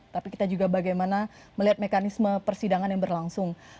tapi kita juga bagaimana melihat mekanisme persidangan yang berlangsung